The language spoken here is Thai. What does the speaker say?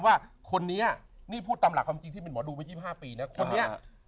ว่าคนนี้นี่พูดตามหลักความจริงที่เป็นหมอดูไป๒๕ปีนะคนนี้